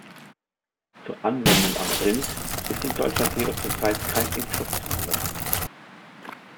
Zur Anwendung am Rind ist in Deutschland jedoch zurzeit kein Impfstoff zugelassen.